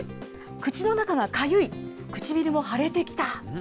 口の中がかゆい、唇も腫れてきた。